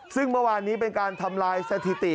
ซึ่งประวัตินี้เป็นการทำลายสถิติ